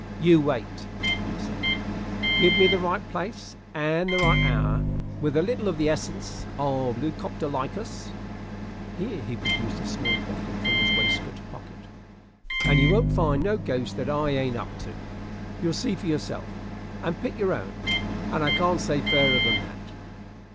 "You wait," he said; "give me the right place and the right hour, with a little of the essence of Lucoptolycus" here he produced a small bottle from his waistcoat pocket "and you won't find no ghost that I ain't up to. You'll see them yourself, and pick your own, and I can't say fairer than that."